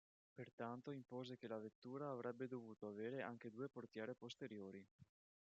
Pertanto impose che la vettura avrebbe dovuto avere anche due portiere posteriori.